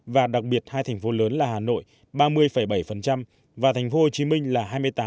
và đặc biệt hai thành phố lớn là hà nội ba mươi bảy và thành phố hồ chí minh là hai mươi tám bốn